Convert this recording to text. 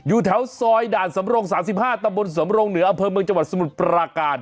อยู่แถวซอยด่านสำรง๓๕ตำบลสำรงเหนืออำเภอเมืองจังหวัดสมุทรปราการ